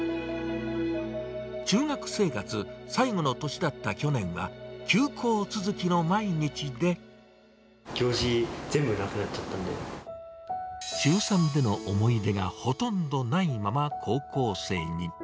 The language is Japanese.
中学生活最後の年だった去年は、行事、全部なくなっちゃった中３での思い出がほとんどないまま、高校生に。